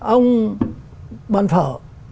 ông bán phở